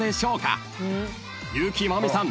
［優木まおみさん